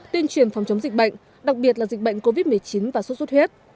tuyên truyền phòng chống dịch bệnh đặc biệt là dịch bệnh covid một mươi chín và suốt suốt huyết